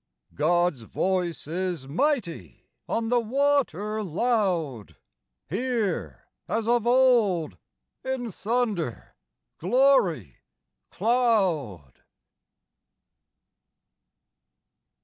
God's voice is mighty, on the water loud, Here, as of old, in thunder, glory, cloud!